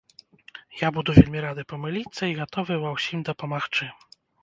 Я буду вельмі рады памыліцца і гатовы ва ўсім дапамагчы.